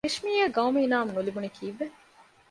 ރިޝްމީއަށް ގައުމީ އިނާމު ނުލިބުނީ ކީއްވެ؟